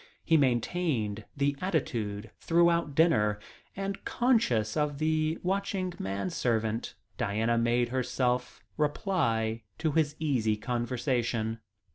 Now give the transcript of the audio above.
He maintained the attitude throughout dinner, and conscious of the watching manservant Diana made herself reply to his easy conversation.